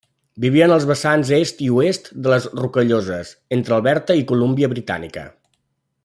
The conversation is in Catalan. Vivien als vessants est i oest de les Rocalloses, entre Alberta i Colúmbia Britànica.